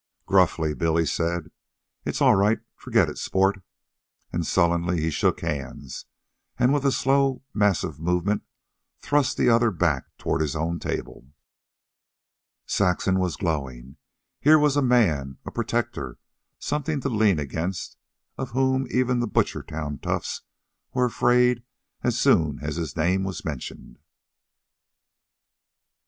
Gruffly, Billy said, "It's all right forget it, sport;" and sullenly he shook hands and with a slow, massive movement thrust the other back toward his own table. Saxon was glowing. Here was a man, a protector, something to lean against, of whom even the Butchertown toughs were afraid as soon as his name was mentioned.